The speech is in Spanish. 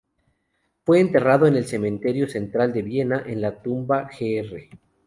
Fue enterrado en el Cementerio central de Viena, en la tumba Gr.